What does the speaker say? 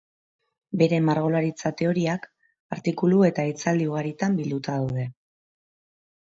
Bere margolaritza teoriak, artikulu eta hitzaldi ugaritan bilduta daude.